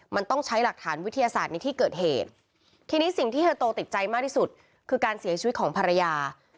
มันต้องใช้หลักฐานวิทยาศาสตร์ในที่เกิดเหตุทีนี้สิ่งที่เธอโตติดใจมากที่สุดคือการเสียชีวิตของภรรยา